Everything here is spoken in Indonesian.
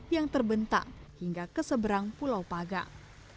yang terbentang hingga keseberang pulau pagang